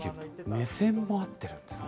目線も合ってるんですね。